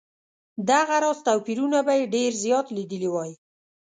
دغه راز توپیرونه به یې ډېر زیات لیدلي وای.